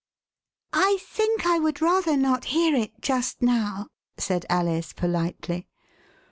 I TH[NK I would rather not hear it just now." said Alice politely.